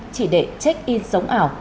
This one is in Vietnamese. chỉ để check in sống ảo